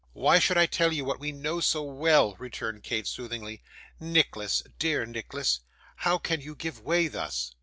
'Why should I tell you what we know so well?' returned Kate soothingly. 'Nicholas dear Nicholas how can you give way thus?